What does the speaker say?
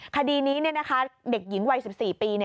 คดีนี้เด็กหญิงวัย๑๔ปี